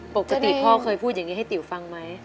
ปกติพ่อเคยพูดอย่างนี้ให้ติ๋วฟังไหม